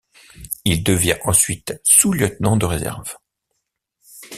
Il devient ensuite sous-lieutenant de réserve.